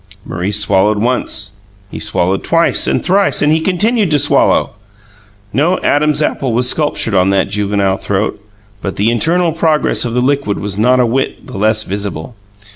Maurice swallowed once; he swallowed twice and thrice and he continued to swallow! No Adam's apple was sculptured on that juvenile throat, but the internal progress of the liquid was not a whit the less visible.